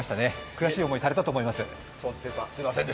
悔しい思いされたと思います。